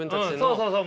そうそうそう。